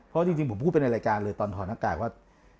เพราะจริงผมพูดไปในรายการเลยตอนถอดหน้ากากว่า